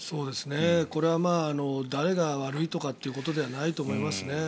これは誰が悪いとかっていうことではないと思いますね。